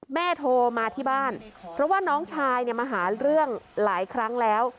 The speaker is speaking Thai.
โทรมาที่บ้านเพราะว่าน้องชายเนี่ยมาหาเรื่องหลายครั้งแล้ว